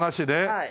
はい。